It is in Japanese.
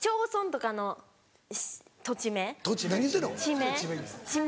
地名？